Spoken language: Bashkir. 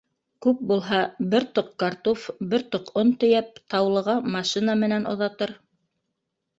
Күп булһа, бер тоҡ картуф, бер тоҡ он тейәп, Таулыға машина менән оҙатыр.